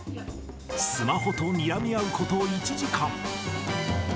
スマホとにらみ合うこと１時間。